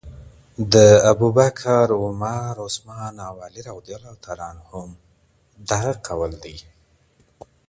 د أبو بكر، عمر، عثمان او علي رضي الله عنهم دغه قول دی.